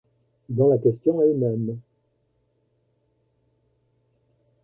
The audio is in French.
dans la question elle-même.